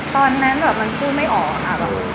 ตอนนั้นแบบมันพูดไม่ออกค่ะ